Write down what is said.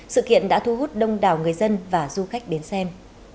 sự kiện đã thu hút đông đảo người dân và du khách đến xem